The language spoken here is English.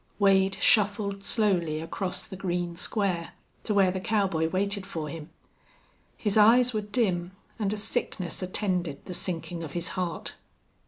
Wade shuffled slowly across the green square to where the cowboy waited for him. His eyes were dim, and a sickness attended the sinking of his heart.